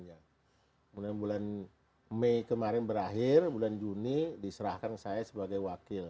kemudian bulan mei kemarin berakhir bulan juni diserahkan saya sebagai wakil